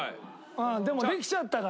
でもできちゃったから。